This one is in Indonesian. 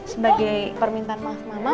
sebagai permintaan maaf mama